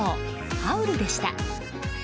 ハウルでした。